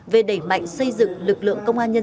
về đẩy mạnh xây dựng lực lượng công an trung ương